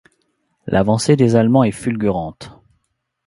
L'avancée des Allemands est fulgurante.